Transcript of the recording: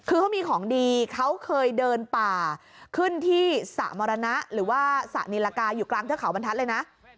คือเขามีของดีเขาเคยเดินป่าขึ้นที่สระมรณะหรือว่าสระนิรกาอยู่กลางเทือกเขาบรรทัศน์เลยนะ